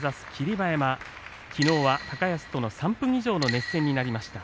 馬山きのうは高安との３分以上の熱戦になりました。